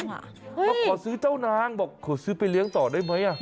มาขอซื้อเจ้านางบอกขอซื้อไปเลี้ยงต่อได้ไหม